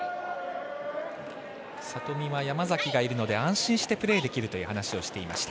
里見は山崎がいるので安心してプレーできるという話をしていました。